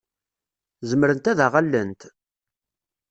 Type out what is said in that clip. Zemrent ad aɣ-allent?